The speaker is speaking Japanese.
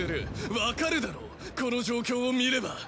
わかるだろこの状況を見れば。